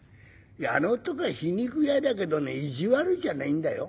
いやあの男は皮肉屋だけどね意地悪じゃないんだよ。